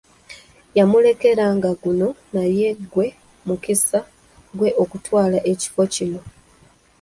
Yamulekera nga guno naye gwe mukisa gwe okutwala ekifo kino.